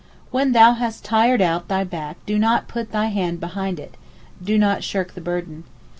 'When thou hast tired out thy back do not put thy hand behind it (do not shirk the burden).